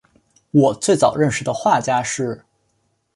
我最早认识的画家是